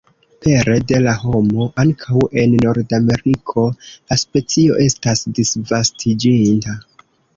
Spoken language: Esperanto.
Pere de la homo, ankaŭ en Nordameriko la specio estas disvastiĝinta.